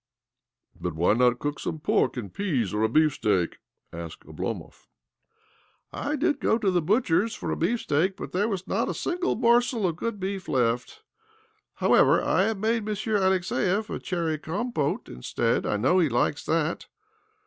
" But why not cook him some pork an peas, or a beef steak ?" asked Oblomov. " I did go to the butcher's for a bee OBLOMOV 285 steak, but there was not a single morsel of good beef left. However, I have made Monsieur Alexiev a cherry compete instead. I know he likes that."